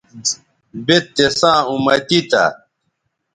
بے تِساں اُمتی تھا